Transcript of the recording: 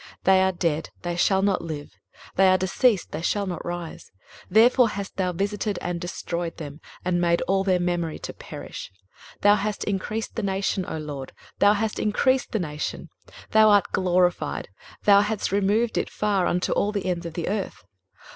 23:026:014 They are dead, they shall not live; they are deceased, they shall not rise: therefore hast thou visited and destroyed them, and made all their memory to perish. 23:026:015 Thou hast increased the nation, O LORD, thou hast increased the nation: thou art glorified: thou hadst removed it far unto all the ends of the earth.